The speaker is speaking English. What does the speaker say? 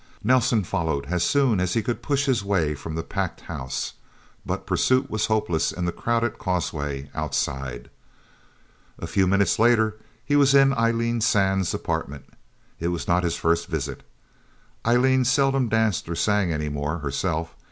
Nelsen followed as soon as he could push his way from the packed house. But pursuit was hopeless in the crowded causeway outside. A few minutes later, he was in Eileen Sands' apartment. It was not his first visit. Eileen seldom danced or sang, anymore, herself.